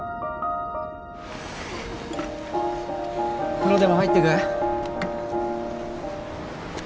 風呂でも入ってく？